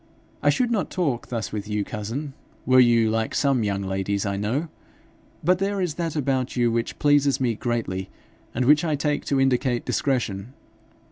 I should not talk thus with you, cousin, were you like some young ladies I know; but there is that about you which pleases me greatly, and which I take to indicate discretion.